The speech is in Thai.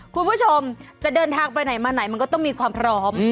คุณผู้ชมจะเดินทางไปไหนมาไหนมันก็ต้องมีความพร้อม